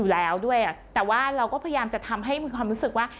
อยู่แล้วด้วยอ่ะแต่ว่าเราก็พยายามจะทำให้มีความรู้สึกว่า